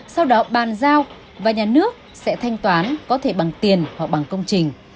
sau đó bàn giao và nhà nước sẽ thanh toán có thể bằng tiền hoặc bằng công trình